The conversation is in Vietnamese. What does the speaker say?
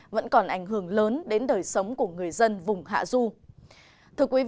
vẫn còn ảnh hưởng lớn đến đời sống của người dân vùng hạ du